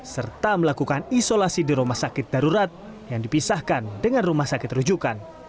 serta melakukan isolasi di rumah sakit darurat yang dipisahkan dengan rumah sakit rujukan